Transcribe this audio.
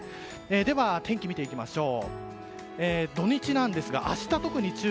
では、天気を見ていきましょう。